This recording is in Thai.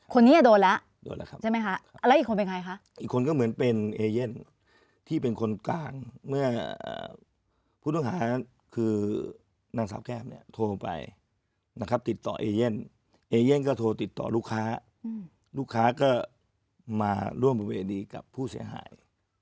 คนนี้โดนแล้วโดนแล้วครับใช่ไหมคะแล้วอีกคนเป็นใครคะอีกคนก็เหมือนเป็นเอเย่นที่เป็นคนกลางเมื่อผู้ต้องหาคือนางสาวแก้มเนี่ยโทรไปนะครับติดต่อเอเย่นเอเย่นก็โทรติดต่อลูกค้าลูกค้าก็มาร่วมบริเวณดีกับผู้เสียหาย